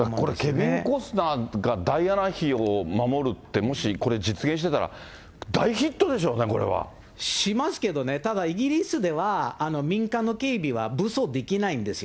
ケビン・コスナーがダイアナ妃を守るって、もしこれ実現してしますけどね、ただ、イギリスでは、民間の警備は武装できないんですよ。